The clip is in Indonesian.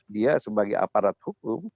dia sebagai aparat hukum